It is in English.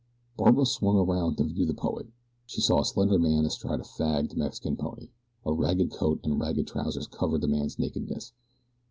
Barbara swung around to view the poet. She saw a slender man astride a fagged Mexican pony. A ragged coat and ragged trousers covered the man's nakedness.